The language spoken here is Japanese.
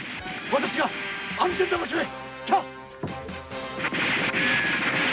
私が安全な場所へ。